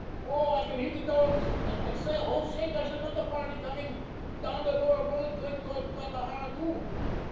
Oh, I can hear the dogs. And, say, oh, say, there's another party coming down the Lower Road, going towards Guadalajara, too.